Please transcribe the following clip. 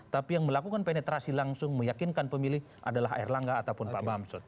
tapi yang melakukan penetrasi langsung meyakinkan pemilih adalah erlangga ataupun pak bamsud